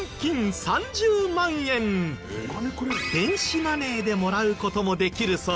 電子マネーでもらう事もできるそう。